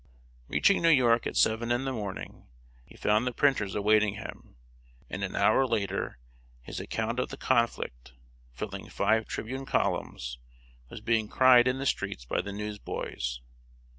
Reaching New York at seven in the morning, he found the printers awaiting him; and, an hour later, his account of the conflict, filling five Tribune columns, was being cried in the streets by the news boys.